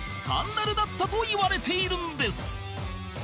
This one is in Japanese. だるだったといわれているんです